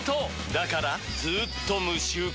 だからずーっと無臭化！